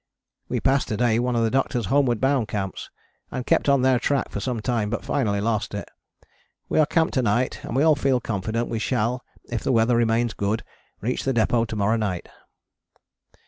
We passed to day one of the Doctor's homeward bound camps, and kept on their track for some time, but finally lost it. We are camped to night and we all feel confident we shall, if the weather remains good, reach the depôt to morrow night.